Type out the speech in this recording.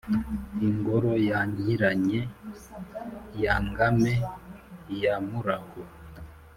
ingoro ya nkiranye ya ngame ya murahu